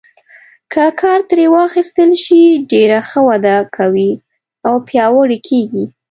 که کار ترې واخیستل شي ډېره ښه وده کوي او پیاوړي کیږي.